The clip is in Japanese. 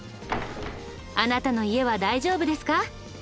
あなたの家は大丈夫ですか？